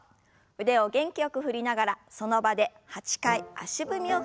腕を元気よく振りながらその場で８回足踏みを踏みます。